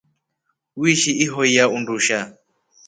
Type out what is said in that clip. Wishi ihoyaa undushaa.